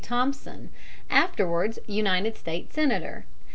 Thompson, afterwards United States Senator.